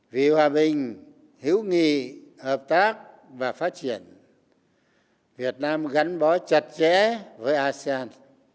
vì hòa bình hữu nghị hợp tác và phát triển việt nam gắn bó chặt chẽ với asean